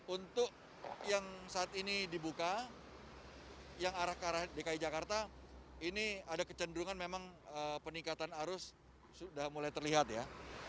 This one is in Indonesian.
untuk yang saat ini dibuka yang arah ke arah dki jakarta ini ada kecenderungan memang peningkatan arus sudah mulai terlihat ya